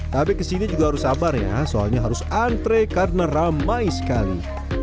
tapi kesini juga harus sabar ya soalnya harus antre karena ramai sekali